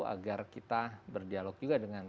agar kita berdialog juga dengan